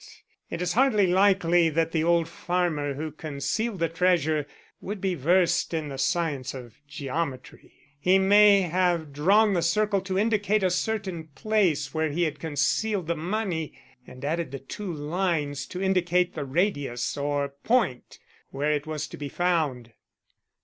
It is hardly likely that the old farmer who concealed the treasure would be versed in the science of geometry. He may have drawn the circle to indicate a certain place where he had concealed the money, and added the two lines to indicate the radius or point where it was to be found."